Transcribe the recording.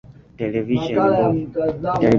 televisheni mbovu.